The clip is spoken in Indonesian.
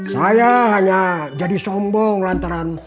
saya hanya jadi sombong lantaran